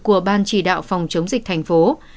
của ban chỉ đạo phòng chống dịch tp hcm